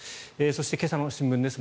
そして、今朝の新聞です。